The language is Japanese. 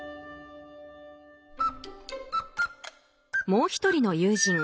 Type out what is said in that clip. もう一人の友人Ｃ君。